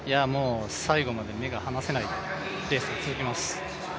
最後まで目が離せないレースが続きます。